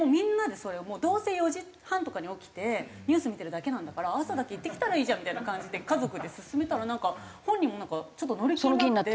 どうせ４時半とかに起きてニュース見てるだけなんだから朝だけ行ってきたらいいじゃんみたいな感じで家族で勧めたら本人もなんかちょっと乗り気になって。